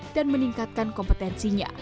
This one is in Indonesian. dan meningkatkan kompetensinya